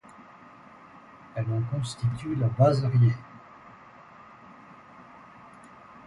Elle en constitue la base arrière.